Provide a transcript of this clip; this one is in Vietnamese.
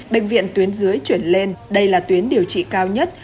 bệnh viện tuyến dưới chuyển lên đây là tuyến điều trị cao nhất